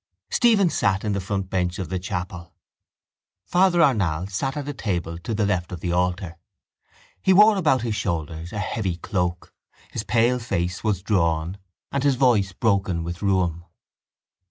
Stephen sat in the front bench of the chapel. Father Arnall sat at a table to the left of the altar. He wore about his shoulders a heavy cloak; his pale face was drawn and his voice broken with rheum.